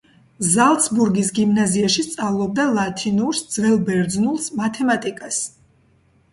ზალცბურგის გიმნაზიაში სწავლობდა ლათინურს, ძველ ბერძნულს, მათემატიკას.